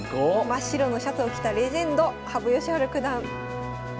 真っ白のシャツを着たレジェンド羽生善治九段。